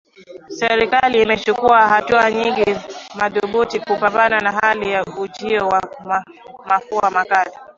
Serikali imechukua hatua nyingi madhubuti za kupambana na hali ya ujio wa mafua makali